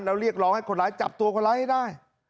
แล้วเรียกร้องให้คนร้ายจับตัวคนร้ายให้ได้